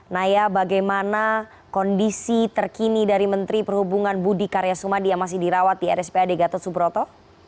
naya bagaimana kondisi terkini dari menteri perhubungan budi karya sumadi yang masih dirawat di rspad gatot subroto